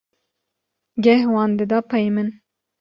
geh wan dida pey min.